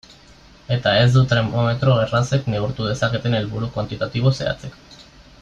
Eta ez du termometro errazek neurtu dezaketen helburu kuantitatibo zehatzik.